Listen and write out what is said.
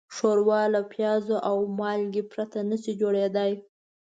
ښوروا له پیاز او مالګې پرته نهشي جوړېدای.